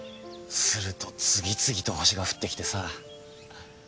すると次々と星が降ってきてさ。